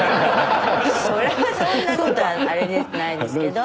それはそんなことはないですけど。